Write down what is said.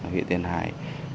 huyện tiền hải